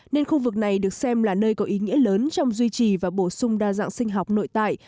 nên khu vực này được xem là nơi có ý nghĩa lớn trong duy trì và bổ sung đa dạng sinh học nội tại